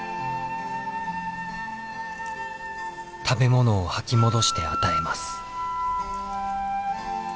食べ物を吐き戻して与えます。